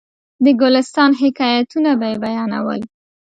د ګلستان حکایتونه به یې بیانول.